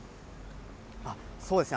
そうですね。